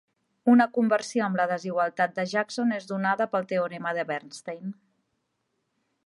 Una conversió amb la desigualtat de Jackson és donada pel teorema de Bernstein.